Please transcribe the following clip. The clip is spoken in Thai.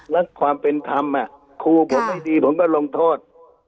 และความเป็นธรรมครูผมไม่ดีผมก็ลงโทษ